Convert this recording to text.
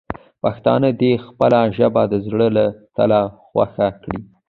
پښتانه دې خپله ژبه د زړه له تله خوښه کړي.